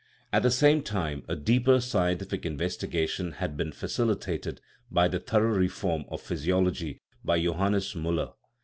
At the same time a deeper scientific investigation had been facili tated by the thorough reform of physiology by Jo hannes Miiller.